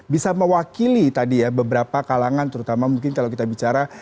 bisa mewakili tadi ya beberapa kalangan terutama mungkin kalau kita bicara